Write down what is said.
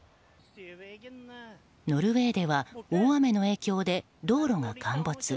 ノルウェーでは大雨の影響で道路が陥没。